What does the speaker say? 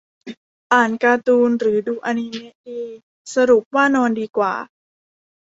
อ่านการ์ตูน หรือดูอนิเมะดี สรุปว่านอนดีกว่า